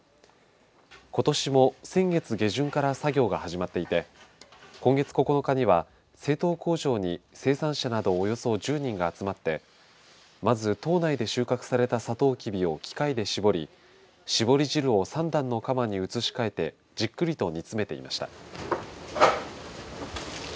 ことしも先月下旬から作業が始まっていて今月９日には製糖工場に生産者などおよそ１０人が集まってまず島内で収穫されたさとうきびを機械で搾り搾り汁を３段のかまに移し替えてじっくりと煮詰めていました。